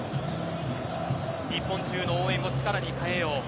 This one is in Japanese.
日本中の応援を力に変えよう。